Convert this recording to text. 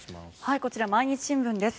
こちら、毎日新聞です。